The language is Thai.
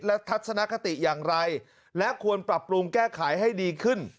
และทัศนคติอย่างไรและควรปรับปรุงแก้ไขให้ดีขึ้น